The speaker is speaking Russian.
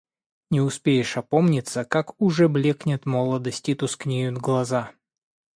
Не успеешь опомниться, как уже блекнет молодость и тускнеют глаза.